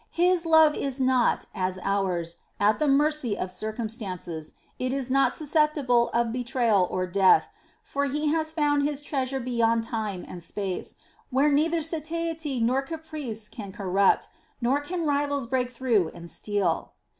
His love is not as ours at the mercy of circumstances, it is not susceptible of betrayal or death, for he has found his treasure beyond time and space, where neither satiety nor caprice can corrupt, nor can rivals break through and steal.